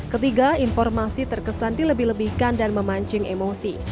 ketiga informasi terkesan dilebih lebihkan dan memancing emosi